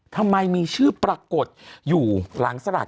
ทำไมมีชื่อปรากฏอยู่หลังสลาก